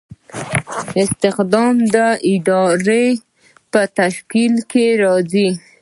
استخدام د ادارې په تشکیل کې راځي.